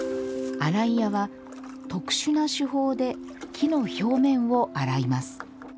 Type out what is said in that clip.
洗い屋は特殊な手法で木の表面を洗います。